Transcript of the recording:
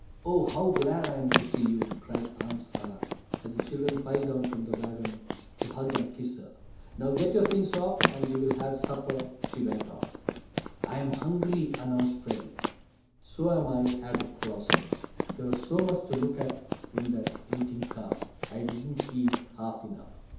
"Oh, how glad I am to see you!" cried Aunt Sarah, as the children piled down from the wagon to hug and kiss her. "Now get your things off, and we'll have supper," she went on. "I'm hungry!" announced Freddie. "So am I!" added Flossie. "There was so much to look at in that eating car, I didn't eat half enough.